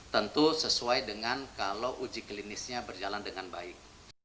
tentu sesuai dengan kalau uji klinisnya berjalan dengan baik